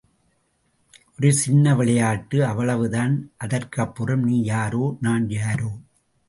ஒரு சின்ன விளையாட்டு அவ்வளவு தான் அதற்கப்புறம் நீ யாரோ நான் யாரோ!